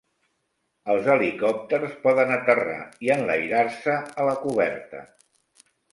Els helicòpters poden aterrar i enlairar-se a la coberta.